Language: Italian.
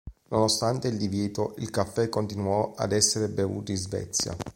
Nonostante il divieto, il caffè continuò ad essere bevuto in Svezia.